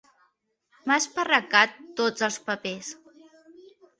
M'ha esparracat tots els papers.